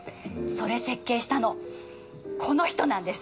それ設計したのこの人なんです！